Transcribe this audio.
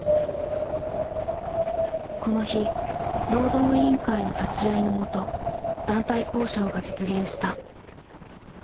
この日労働委員会の立ち会いのもと団体交渉が実現した。